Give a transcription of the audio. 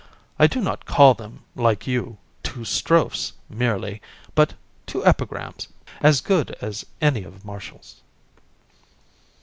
I do not call them, like you, two strophes merely; but two epigrams, as good as any of Martial's.